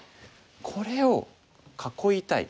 これを囲いたい。